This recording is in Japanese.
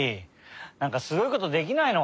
なんかすごいことできないの？